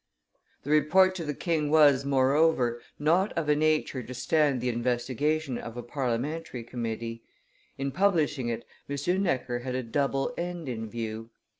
The Report to the king was, moreover, not of a nature to stand the investigation of a parliamentary committee. In publishing it M. Necker had a double end in view.